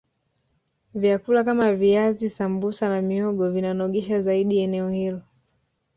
vyakula Kama viazi sambusa na mihogo vinanogesha zaidi eneo hilo